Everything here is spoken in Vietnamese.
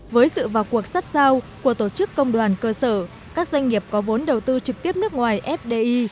với sự vào cuộc sát sao của tổ chức công đoàn cơ sở các doanh nghiệp có vốn đầu tư trực tiếp nước ngoài fdi